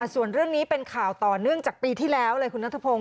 ส่วนเรื่องนี้เป็นข่าวต่อเนื่องจากปีที่แล้วเลยคุณนัทพงศ